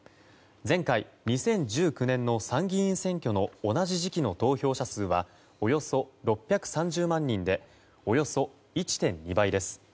前回２０１９年の参議院選挙の同じ時期の投票者数はおよそ６３０万人でおよそ１．２倍です。